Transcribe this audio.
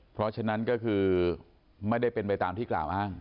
เพราะฉะนั้นก็คือไม่ได้เป็นไปตามที่กล่าวอ้าง